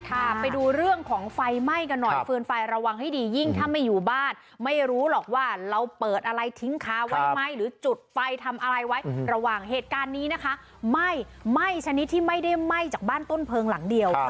ไปดูเรื่องของไฟไหม้กันหน่อยฟืนไฟระวังให้ดียิ่งถ้าไม่อยู่บ้านไม่รู้หรอกว่าเราเปิดอะไรทิ้งค้าไว้ไหมหรือจุดไฟทำอะไรไว้ระหว่างเหตุการณ์นี้นะคะไหม้ไหม้ชนิดที่ไม่ได้ไหม้จากบ้านต้นเพลิงหลังเดียว